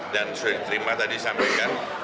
dan sudah diterima tadi sampaikan